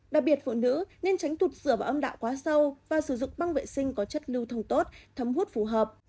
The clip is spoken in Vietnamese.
đặc biệt phụ nữ nên tránh tụt sửa và âm đạo quá sâu và sử dụng băng vệ sinh có chất lưu thông tốt thấm hút phù hợp